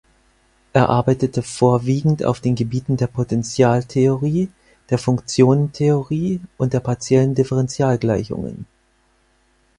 Er arbeitete vorwiegend auf den Gebieten der Potentialtheorie, der Funktionentheorie und der partiellen Differentialgleichungen.